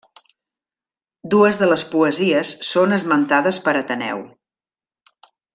Dues de les poesies són esmentades per Ateneu.